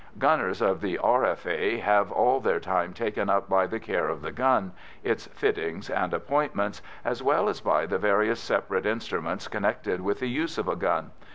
Gunners of the R.F.A. have all their time taken up by the care of the gun, its fittings and appointments, as well as by the various separate instruments connected with the use of a gun.